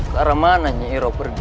ke arah mana nyihiro pergi